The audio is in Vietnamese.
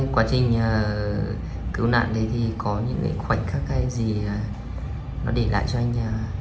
quá trình cứu nạn đấy thì có những cái khoảnh khắc hay gì nó để lại cho anh